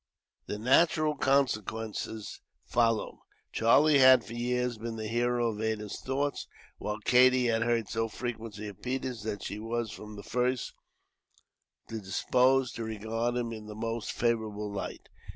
The natural consequences followed. Charlie had, for years, been the hero of Ada's thoughts; while Katie had heard so frequently of Peters that she was, from the first, disposed to regard him in the most favourable light.